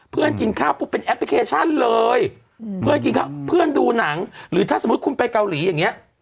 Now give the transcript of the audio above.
เพื่อนกินข้าวปุ๊บเป็นแอปพลิเคชันเลยเพื่อนดูหนังหรือถ้าสมมุติคุณไปเกาหลีอย่างนี้